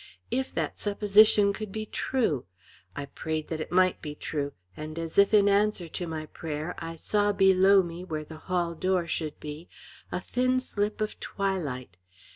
If that supposition could be true! I prayed that it might be true, and as if in answer to my prayer I saw below me where the hall door should be a thin slip of twilight.